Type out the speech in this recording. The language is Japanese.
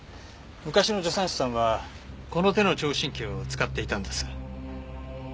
昔の助産師さんはこの手の聴診器を使っていたんです。